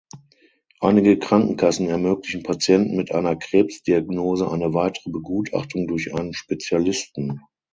Einige Krankenkassen ermöglichen Patienten mit einer Krebsdiagnose eine weitere Begutachtung durch einen Spezialisten.